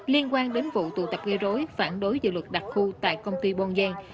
liên quan đến vụ tụ tập gây rối phản đối dự luật đặc khu tại công ty bôn giang